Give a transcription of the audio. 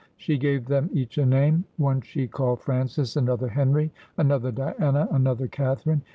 She gave them each a name. One she called Francis, another Henry, another Diana, another Catherine.